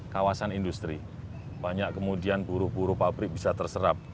kawasan industri banyak kemudian buruh buruh pabrik bisa terserap